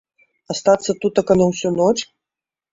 Астацца тутака на ўсю ноч?!